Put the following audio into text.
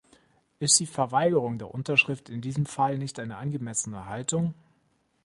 Ist die Verweigerung der Unterschrift in diesem Fall nicht eine angemessene Haltung?